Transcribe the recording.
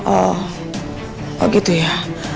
oh gitu ya